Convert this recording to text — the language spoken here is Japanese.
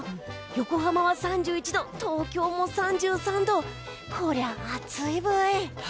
横浜は３１度、東京も３３度こりゃ暑いブイ。